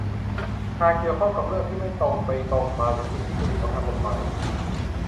หากเกี่ยวข้องกับเรื่องที่ไม่ตรงไปตรงมาหรือสิ่งที่จะมีผลทางกฎหมาย